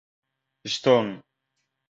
Stone